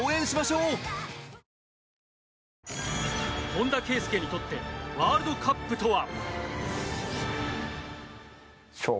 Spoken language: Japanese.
本田圭佑にとってワールドカップとは。